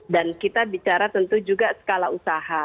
dan kita bicara tentu juga skala usaha